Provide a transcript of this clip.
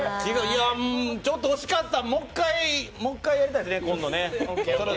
ちょっと惜しかったもう一回やりたいですね、今度ね。